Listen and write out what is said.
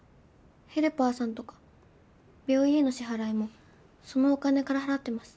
ヘルパーさんとか病院への支払いもそのお金から払ってます。